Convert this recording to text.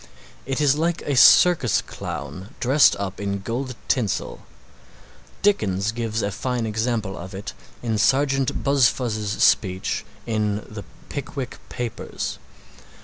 It is like a circus clown dressed up in gold tinsel Dickens gives a fine example of it in Sergeant Buzfuz' speech in the "Pickwick Papers."